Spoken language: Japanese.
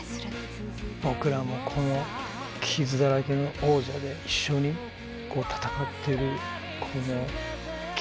僕らもこの「傷だらけの王者」で一緒に戦っている気持ちで。